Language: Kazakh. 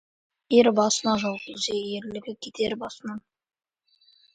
Ер басына жау келсе, ерлігі кетер басынан.